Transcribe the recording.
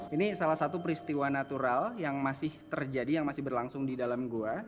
ini salah satu peristiwa natural yang masih terjadi yang masih berlangsung di dalam gua